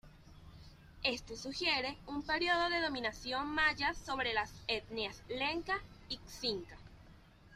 Esto sugiere un periodo de dominación maya sobre las etnias lenca y xinca.